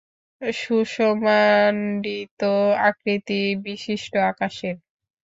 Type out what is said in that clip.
সুষমামণ্ডিত আকৃতি বিশিষ্ট আকাশের।